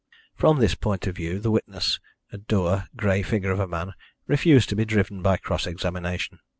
From this point of view the witness, a dour, grey figure of a man, refused to be driven by cross examination.